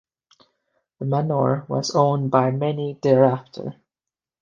The manor was owned by many, thereafter.